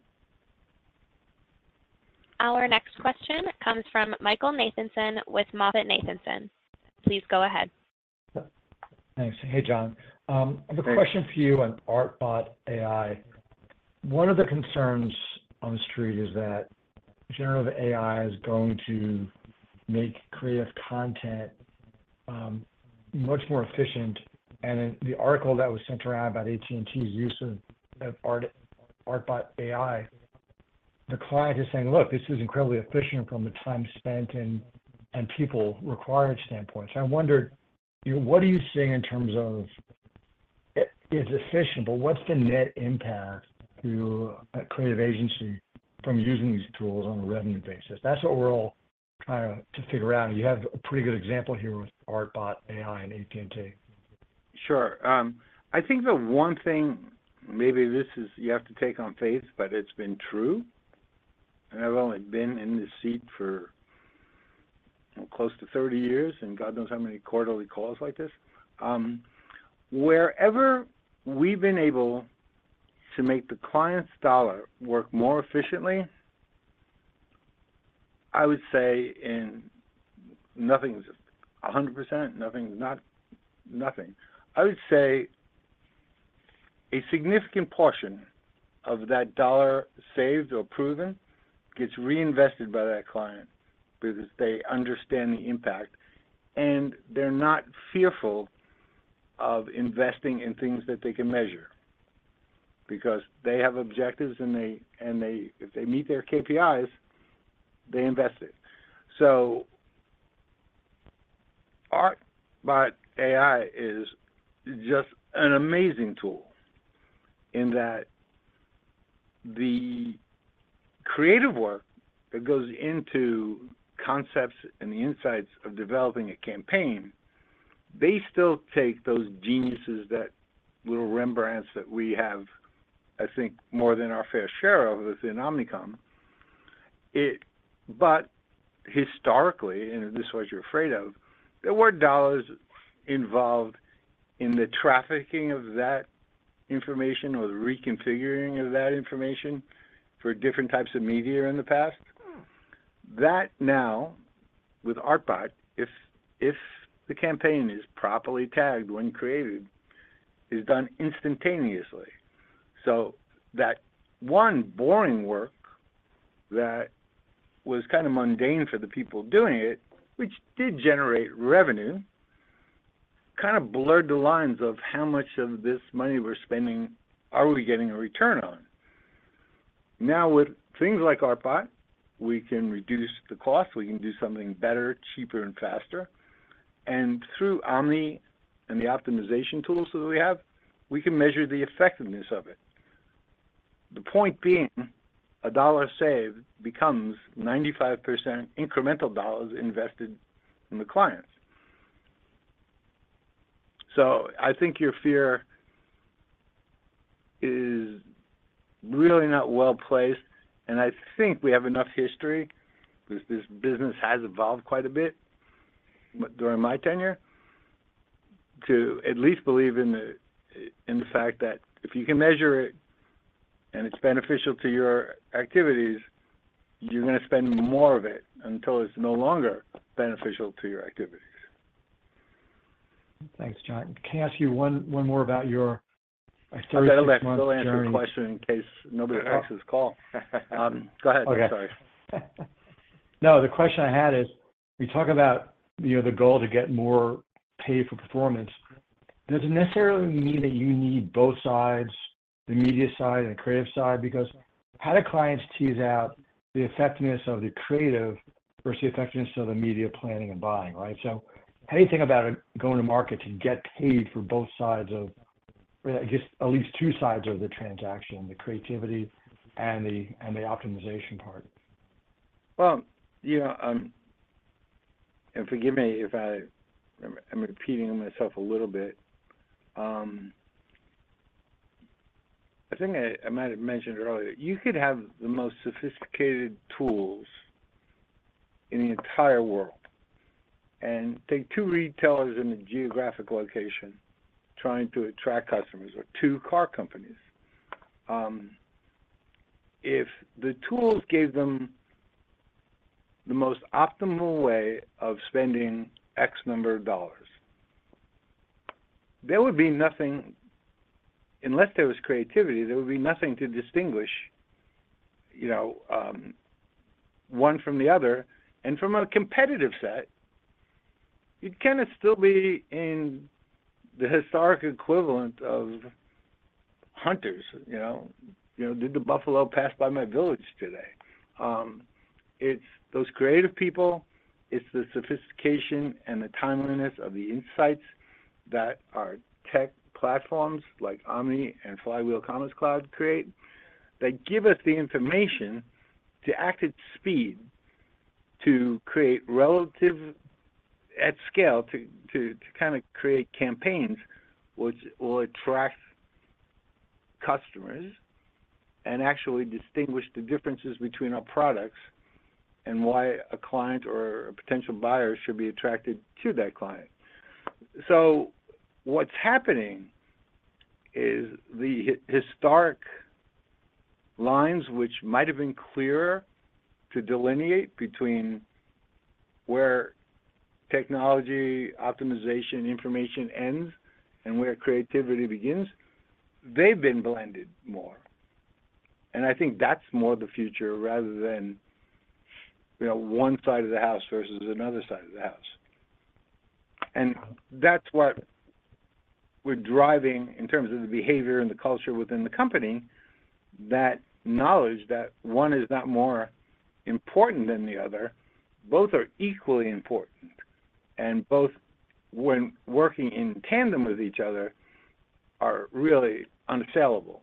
Our next question comes from Michael Nathanson with MoffettNathanson. Please go ahead. Thanks. Hey, John. Hey. I have a question for you on ArtBotAI. One of the concerns on the street is that generative AI is going to make creative content much more efficient, and in the article that was sent around about AT&T's use of ArtBotAI, the client is saying, "Look, this is incredibly efficient from a time spent and people required standpoint." So I wonder, you know, what are you seeing in terms of it's efficient, but what's the net impact to a creative agency from using these tools on a revenue basis? That's what we're all trying to figure out, and you have a pretty good example here with ArtBotAI and AT&T. Sure. I think the one thing, maybe this is you have to take on faith, but it's been true, and I've only been in this seat for close to 30 years, and God knows how many quarterly calls like this. Wherever we've been able to make the client's dollar work more efficiently, I would say in... nothing's 100 percent, nothing's not nothing. I would say a significant portion of that dollar saved or proven, gets reinvested by that client because they understand the impact, and they're not fearful of investing in things that they can measure, because they have objectives and they, and they, if they meet their KPIs, they invest it. So ArtBotAI is just an amazing tool in that the creative work that goes into concepts and the insights of developing a campaign, they still take those geniuses, that little Rembrandts, that we have, I think, more than our fair share of within Omnicom. But historically, and this is what you're afraid of, there were dollars involved in the trafficking of that information or the reconfiguring of that information for different types of media in the past. That now, with ArtBotAI, if the campaign is properly tagged when created, is done instantaneously. So that one boring work that was kind of mundane for the people doing it, which did generate revenue, kind of blurred the lines of how much of this money we're spending are we getting a return on? Now, with things like ArtBotAI, we can reduce the cost, we can do something better, cheaper, and faster. And through Omni and the optimization tools that we have, we can measure the effectiveness of it. The point being, $1 saved becomes 95% incremental dollars invested in the clients. So I think your fear is really not well-placed, and I think we have enough history, because this business has evolved quite a bit during my tenure, to at least believe in the fact that if you can measure it and it's beneficial to your activities, you're gonna spend more of it until it's no longer beneficial to your activities. Thanks, John. Can I ask you one more about your 36-month journey? I'll answer the question in case nobody else on this call. Go ahead. Okay. Sorry. No, the question I had is, you talk about, you know, the goal to get more pay for performance. Does it necessarily mean that you need both sides, the media side and the creative side? Because how do clients tease out the effectiveness of the creative versus the effectiveness of the media planning and buying, right? So how do you think about it going to market to get paid for both sides of, I guess, at least two sides of the transaction, the creativity and the optimization part? Well, yeah, and forgive me if I'm repeating myself a little bit. I think I might have mentioned earlier, you could have the most sophisticated tools in the entire world, and take two retailers in a geographic location trying to attract customers or two car companies. If the tools gave them the most optimal way of spending X number of dollars, there would be nothing unless there was creativity, there would be nothing to distinguish, you know, one from the other, and from a competitive set, you'd kind of still be in the historic equivalent of hunters, you know. You know, did the buffalo pass by my village today? It's those creative people, it's the sophistication and the timeliness of the insights that our tech platforms, like Omni and Flywheel Commerce Cloud, create that give us the information to act at speed, to create relevance at scale, to kind of create campaigns which will attract customers and actually distinguish the differences between our products and why a client or a potential buyer should be attracted to that client. So what's happening is the historic lines, which might have been clearer to delineate between where technology, optimization, information ends and where creativity begins, they've been blended more. And I think that's more the future rather than, you know, one side of the house versus another side of the house. That's what we're driving in terms of the behavior and the culture within the company, that knowledge that one is not more important than the other, both are equally important, and both, when working in tandem with each other, are really unbeatable.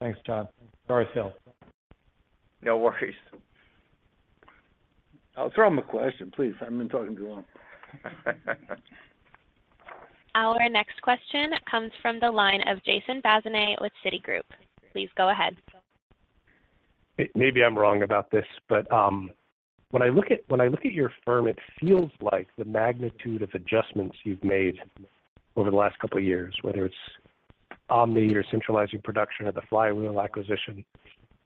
Thanks, John. Sorry, Phil. No worries. I'll throw him a question, please. I've been talking too long. Our next question comes from the line of Jason Bazinet with Citigroup. Please go ahead. Maybe I'm wrong about this, but when I look at, when I look at your firm, it feels like the magnitude of adjustments you've made over the last couple of years, whether it's Omni or centralizing production or the Flywheel acquisition,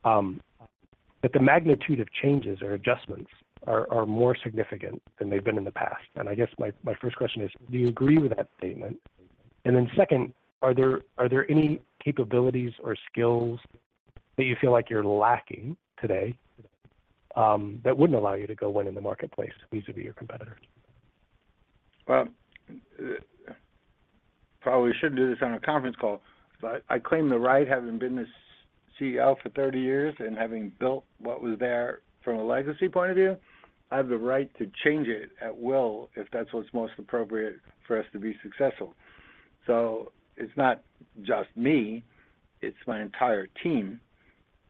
but the magnitude of changes or adjustments are more significant than they've been in the past. And I guess my first question is: Do you agree with that statement? And then second, are there any capabilities or skills that you feel like you're lacking today that wouldn't allow you to go win in the marketplace vis-à-vis your competitors? Well, probably shouldn't do this on a conference call, but I claim the right, having been the CEO for 30 years and having built what was there from a legacy point of view, I have the right to change it at will if that's what's most appropriate for us to be successful. So it's not just me, it's my entire team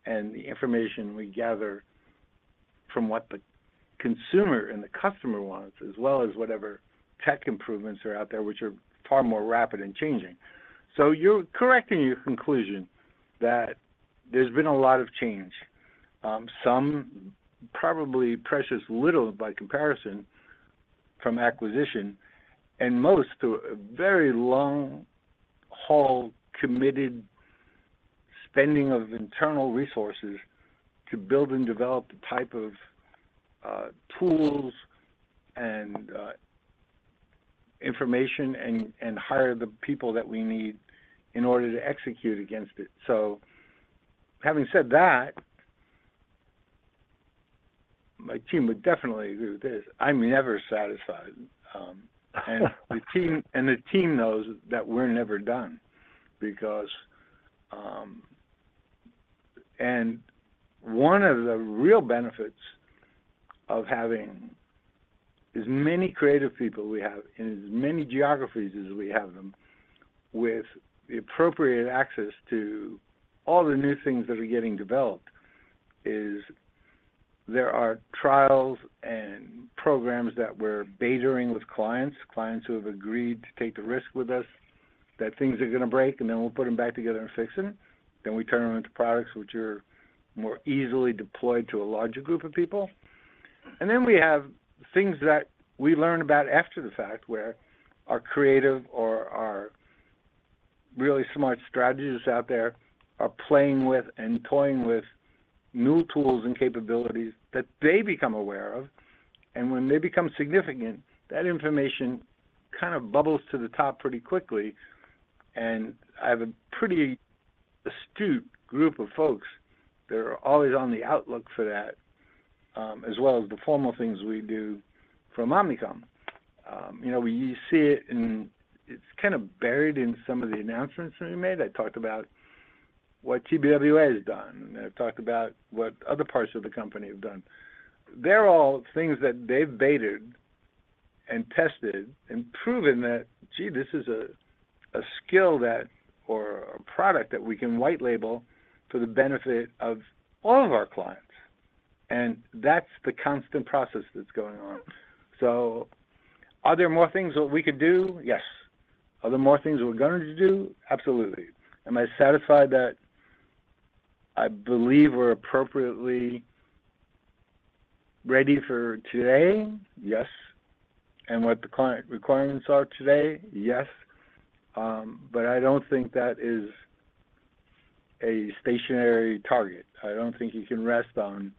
and the information we gather from what the consumer and the customer wants, as well as whatever tech improvements are out there, which are far more rapid and changing. So you're correct in your conclusion that there's been a lot of change, some probably precious little by comparison from acquisition, and most through a very long-haul, committed spending of internal resources to build and develop the type of tools and information and hire the people that we need in order to execute against it. So having said that, my team would definitely agree with this. I'm never satisfied, and the team, and the team knows that we're never done because. And one of the real benefits of having as many creative people we have in as many geographies as we have them, with the appropriate access to all the new things that are getting developed, is there are trials and programs that we're beta-ing with clients, clients who have agreed to take the risk with us, that things are gonna break, and then we'll put them back together and fix it. Then we turn them into products which are more easily deployed to a larger group of people. Then we have things that we learn about after the fact, where our creative or our really smart strategists out there are playing with and toying with new tools and capabilities that they become aware of. And when they become significant, that information kind of bubbles to the top pretty quickly, and I have a pretty astute group of folks that are always on the lookout for that, as well as the formal things we do from Omnicom. You know, we see it in—it's kind of buried in some of the announcements that we made. I talked about what TBWA has done, and I've talked about what other parts of the company have done. They're all things that they've beta-ed and tested and proven that, gee, this is a, a skill that, or a product that we can white label for the benefit of all of our clients, and that's the constant process that's going on. So are there more things that we could do? Yes. Are there more things we're going to do? Absolutely. Am I satisfied that I believe we're appropriately ready for today? Yes. And what the client requirements are today? Yes. But I don't think that is a stationary target. I don't think you can rest on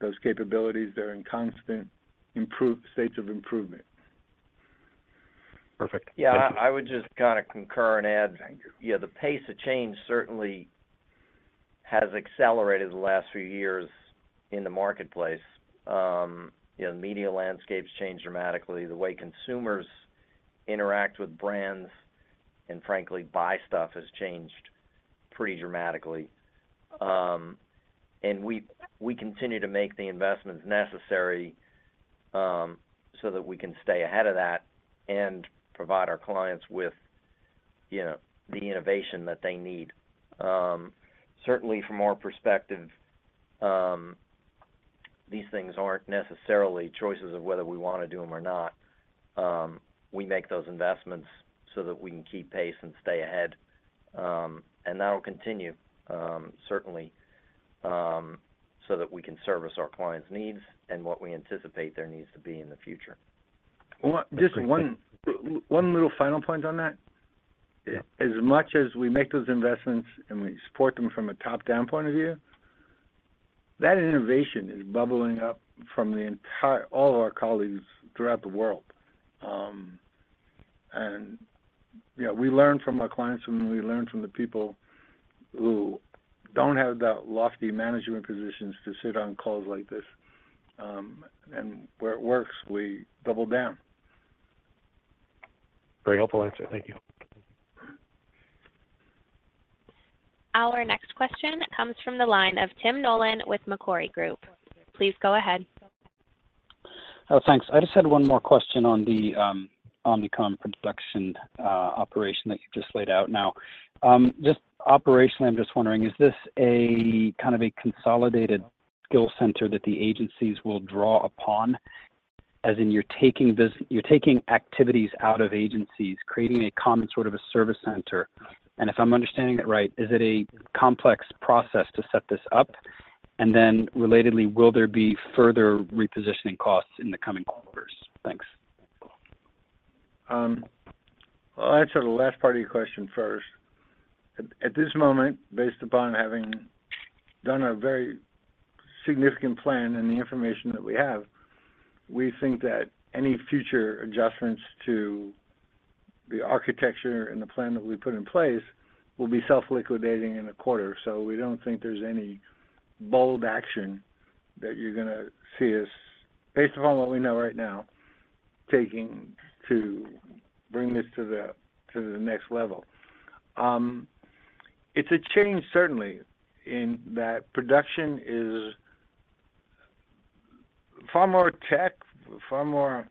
those capabilities. They're in constant states of improvement. Perfect. Yeah, I would just kinda concur and add- Thank you. Yeah, the pace of change certainly has accelerated the last few years in the marketplace. You know, the media landscape's changed dramatically. The way consumers interact with brands and frankly, buy stuff, has changed pretty dramatically. We continue to make the investments necessary, so that we can stay ahead of that and provide our clients with, you know, the innovation that they need. Certainly from our perspective, these things aren't necessarily choices of whether we want to do them or not. We make those investments so that we can keep pace and stay ahead. That'll continue, certainly, so that we can service our clients' needs and what we anticipate their needs to be in the future. Well, just one little final point on that. Yeah. As much as we make those investments, and we support them from a top-down point of view, that innovation is bubbling up from the entire... all of our colleagues throughout the world. And, you know, we learn from our clients, and we learn from the people who don't have the lofty management positions to sit on calls like this. And where it works, we double down. Very helpful answer. Thank you. Our next question comes from the line of Tim Nollen with Macquarie Group. Please go ahead. Oh, thanks. I just had one more question on the Omnicom Production operation that you just laid out now. Just operationally, I'm just wondering, is this a kind of a consolidated skill center that the agencies will draw upon? As in, you're taking activities out of agencies, creating a common sort of a service center. And if I'm understanding it right, is it a complex process to set this up? And then relatedly, will there be further repositioning costs in the coming quarters? Thanks. I'll answer the last part of your question first. At this moment, based upon having done a very significant plan and the information that we have, we think that any future adjustments to the architecture and the plan that we put in place will be self-liquidating in a quarter. So we don't think there's any bold action that you're gonna see us, based upon what we know right now, taking to bring this to the next level. It's a change certainly, in that production is far more tech, far more.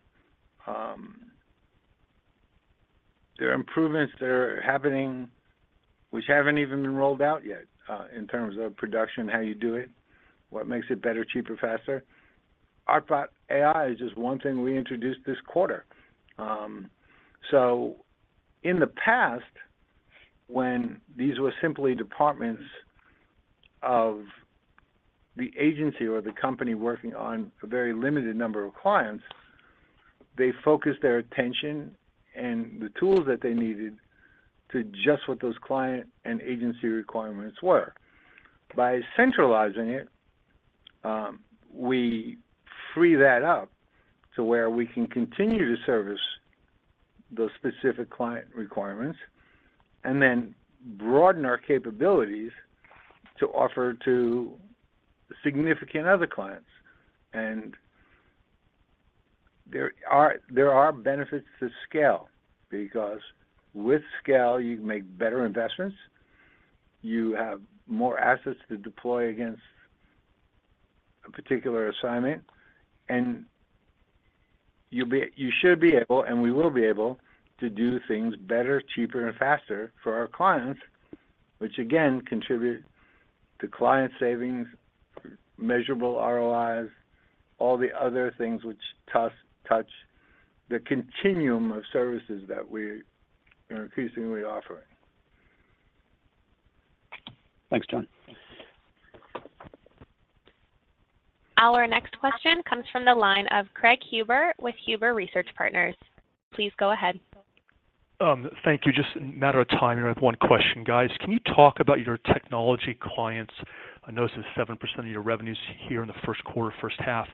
There are improvements that are happening which haven't even been rolled out yet, in terms of production, how you do it, what makes it better, cheaper, faster. ArtBotAI is just one thing we introduced this quarter. So in the past, when these were simply departments of the agency or the company working on a very limited number of clients, they focused their attention and the tools that they needed to just what those client and agency requirements were. By centralizing it, we free that up to where we can continue to service those specific client requirements and then broaden our capabilities to offer to significant other clients. And there are benefits to scale, because with scale, you can make better investments, you have more assets to deploy against a particular assignment, and you should be able, and we will be able, to do things better, cheaper, and faster for our clients, which again, the client savings, measurable ROIs, all the other things which touch the continuum of services that we are increasingly offering. Thanks, John. Our next question comes from the line of Craig Huber with Huber Research Partners. Please go ahead. Thank you. Just a matter of timing. I have one question, guys. Can you talk about your technology clients? I notice it's 7% of your revenues here in the first quarter, first half.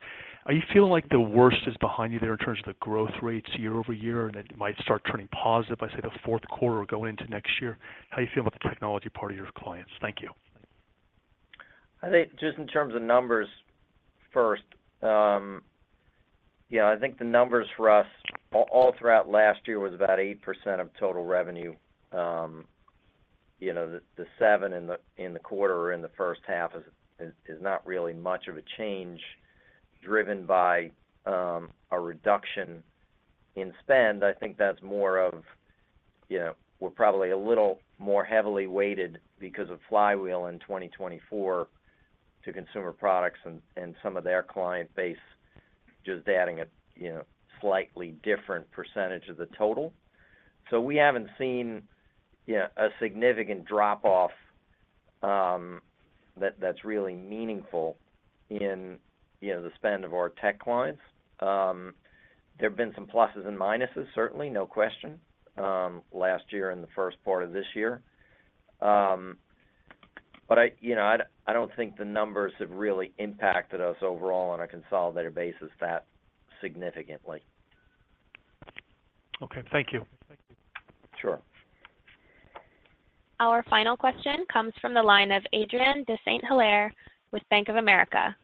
Are you feeling like the worst is behind you there in terms of the growth rates year-over-year, and it might start turning positive by, say, the fourth quarter or going into next year? How you feel about the technology part of your clients? Thank you. I think just in terms of numbers first, yeah, I think the numbers for us all throughout last year was about 8% of total revenue. You know, the 7 in the quarter or in the first half is not really much of a change driven by a reduction in spend. I think that's more of, you know, we're probably a little more heavily weighted because of Flywheel in 2024 to consumer products and some of their client base, just adding a, you know, slightly different percentage of the total. So we haven't seen, you know, a significant drop-off, that that's really meaningful in, you know, the spend of our tech clients. There have been some pluses and minuses, certainly, no question, last year and the first part of this year. But you know, I don't think the numbers have really impacted us overall on a consolidated basis that significantly. Okay. Thank you. Sure. Our final question comes from the line of Adrien de Saint Hilaire with Bank of America.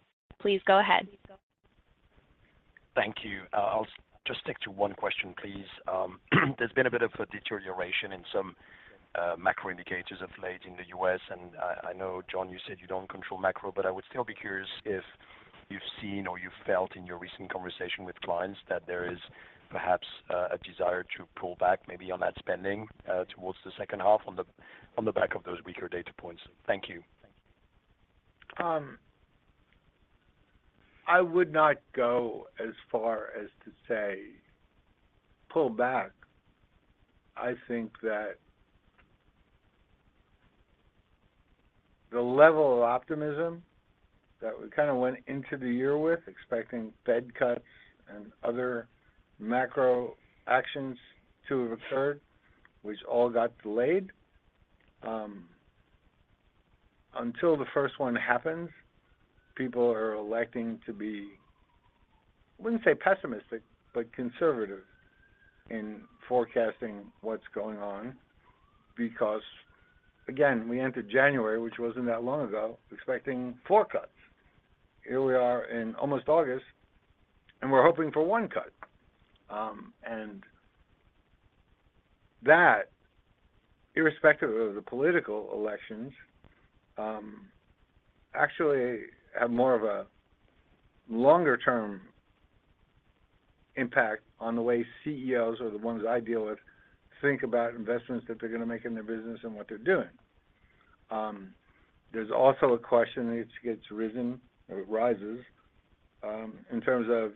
Please go ahead. Thank you. I'll just stick to one question, please. There's been a bit of a deterioration in some macro indicators of late in the U.S., and I know, John, you said you don't control macro, but I would still be curious if you've seen or you've felt in your recent conversation with clients that there is perhaps a desire to pull back, maybe on ad spending, towards the second half on the back of those weaker data points. Thank you. I would not go as far as to say pull back. I think that the level of optimism that we kind of went into the year with, expecting Fed cuts and other macro actions to have occurred, which all got delayed. Until the first one happens, people are electing to be, I wouldn't say pessimistic, but conservative in forecasting what's going on. Because, again, we entered January, which wasn't that long ago, expecting four cuts. Here we are in almost August, and we're hoping for one cut. And that, irrespective of the political elections, actually have more of a longer-term impact on the way CEOs, or the ones I deal with, think about investments that they're gonna make in their business and what they're doing. There's also a question that gets risen, or it rises, in terms of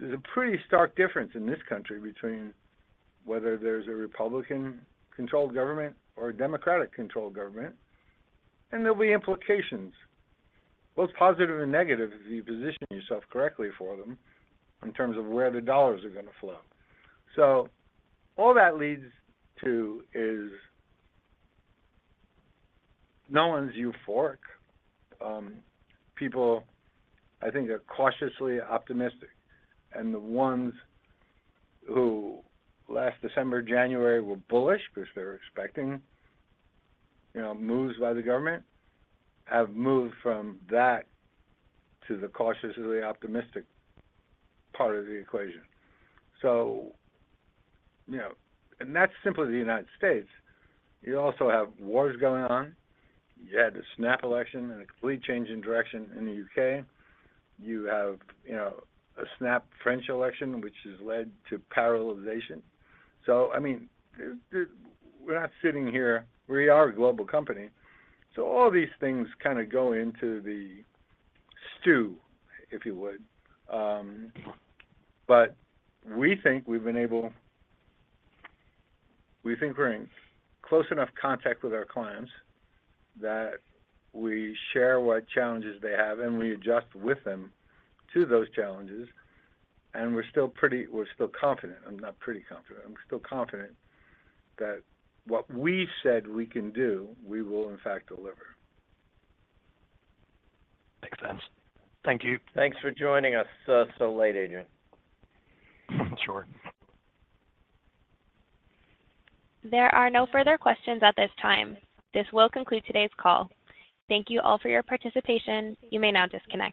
there's a pretty stark difference in this country between whether there's a Republican-controlled government or a Democratic-controlled government, and there'll be implications, both positive and negative, if you position yourself correctly for them in terms of where the dollars are gonna flow. So all that leads to is no one's euphoric. People, I think, are cautiously optimistic, and the ones who last December, January, were bullish because they were expecting, you know, moves by the government, have moved from that to the cautiously optimistic part of the equation. So, you know, and that's simply the United States. You also have wars going on. You had a snap election and a complete change in direction in the U.K. You have, you know, a snap French election, which has led to paralyzation. So, I mean, we're not sitting here. We are a global company, so all these things kind of go into the stew, if you would. But we think we've been able. We think we're in close enough contact with our clients that we share what challenges they have, and we adjust with them to those challenges, and we're still confident. I'm not pretty confident. I'm still confident that what we said we can do, we will in fact deliver. Makes sense. Thank you. Thanks for joining us so, so late, Adrien. Sure. There are no further questions at this time. This will conclude today's call. Thank you all for your participation. You may now disconnect.